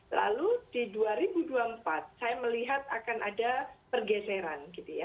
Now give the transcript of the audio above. lalu di dua ribu dua puluh empat saya melihat akan ada pergeseran gitu ya